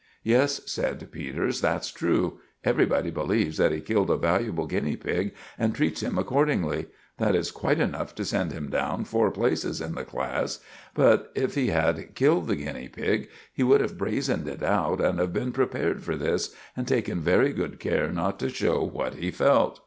"Yes," said Peters, "that's true. Everybody believes that he killed a valuable guinea pig, and treats him accordingly. That is quite enough to send him down four places in the class; but if he had killed the guinea pig he would have brazened it out and have been prepared for this, and taken very good care not to show what he felt."